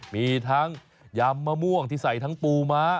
มีทั้งยำมะม่วงที่ใส่ทั้งปูม้า